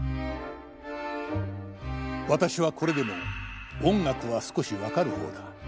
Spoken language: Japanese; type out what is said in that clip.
「私はこれでも音楽は少し解る方だ。